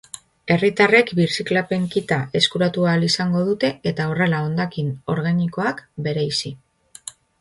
Herritarrek birziklapen kita eskuratu ahal izango dute, eta horrela hondakin organikoak bereizi.